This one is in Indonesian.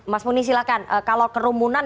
mas muni silahkan kalau kerumunan